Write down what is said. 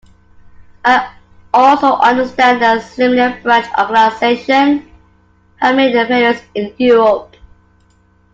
I also understand that similar branch organizations have made their appearance in Europe.